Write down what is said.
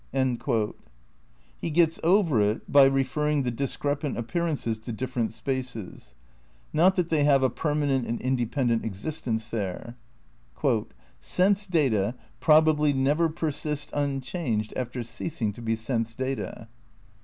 ' He gets over it by referring the discrepant appear ances to different spaces. Not that they have a per manent and independent existence there. "Sense data ... probably never persist unchanged after ceasing to be sense data."